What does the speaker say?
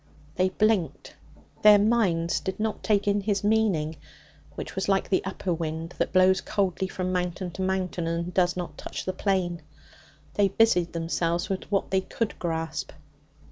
They blinked. Their minds did not take in his meaning, which was like the upper wind that blows coldly from mountain to mountain and does not touch the plain. They busied themselves with what they could grasp.